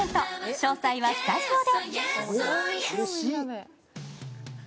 詳細はスタジオで！